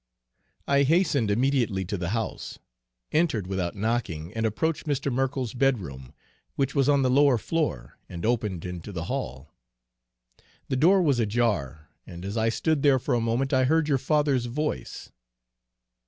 "I hastened immediately to the house, entered without knocking, and approached Mr. Merkell's bedroom, which was on the lower floor and opened into the hall. The door was ajar, and as I stood there for a moment I heard your father's voice.